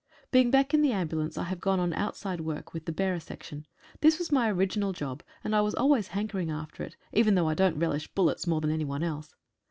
Being back in the ambulance I have gone on outside work with the bearer section. This was my original job, and I was always hankering after it, even though I don't relish bullets any more than anyone else.